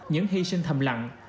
những hy sinh thầm lặng